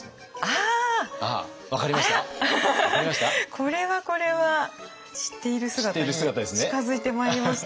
これはこれは知っている姿に近づいてまいりました。